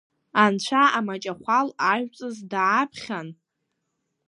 Анцәа амаҷахәал ажәҵыс дааԥхьан…